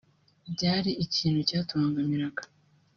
Byari ikintu cyatubangamiraga